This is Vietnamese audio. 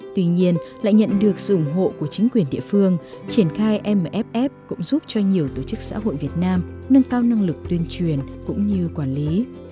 tuy nhiên lại nhận được sự ủng hộ của chính quyền địa phương triển khai mff cũng giúp cho nhiều tổ chức xã hội việt nam nâng cao năng lực tuyên truyền cũng như quản lý